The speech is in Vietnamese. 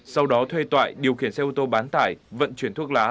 sau đó thuê tọa điều khiển xe ô tô bán tải vận chuyển thuốc lá